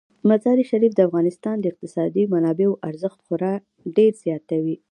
مزارشریف د افغانستان د اقتصادي منابعو ارزښت خورا ډیر زیاتوي.